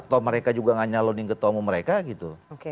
atau mereka juga gak nyalonin ketua umum mereka gitu